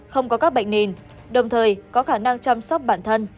không có các bệnh nền đồng thời có khả năng chăm sóc bản thân